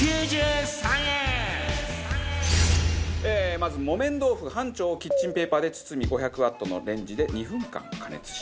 まず木綿豆腐半丁をキッチンペーパーで包み５００ワットのレンジで２分間加熱します。